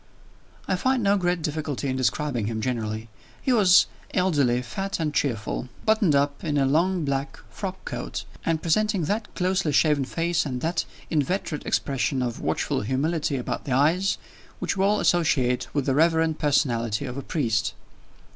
I find no great difficulty in describing him, generally. He was elderly, fat and cheerful; buttoned up in a long black frockcoat, and presenting that closely shaven face and that inveterate expression of watchful humility about the eyes, which we all associate with the reverend personality of a priest.